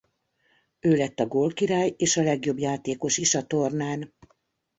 Ő lett a gólkirály és a legjobb játékos is a tornán.